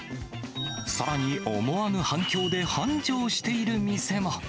さらに、思わぬ反響で繁盛している店も。